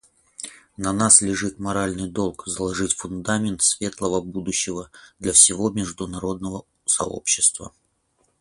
На нас лежит моральный долг заложить фундамент светлого будущего для всего международного сообщества.